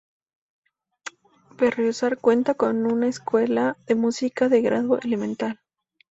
Berriozar cuenta con una Escuela de Música de grado elemental.